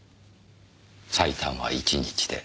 最短は１日で。